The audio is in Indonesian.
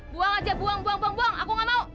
buang aja buang buang buang aku gak mau